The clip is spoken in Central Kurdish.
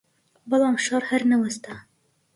بەڵام شەڕ هەر نەوەستا